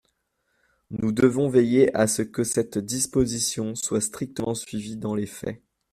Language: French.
Nous devons veiller à ce que cette disposition soit strictement suivie dans les faits.